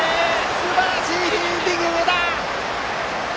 すばらしいフィールディング上田！